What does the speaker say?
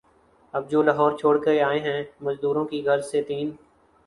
اب جو لاہور چھوڑ کے آئے ہیں، مزدوری کی غرض سے تین